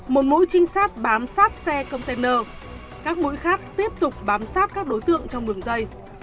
một mũi trinh sát bám sát xe container các mũi khác tiếp tục bám sát các đối tượng trong đường dây